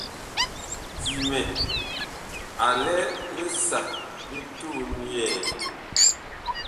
Dimɛ a lɛ li sah li tuun yɛɛ.